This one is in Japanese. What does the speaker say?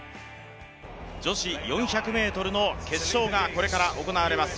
女子４００ｍの決勝がこれから行われます。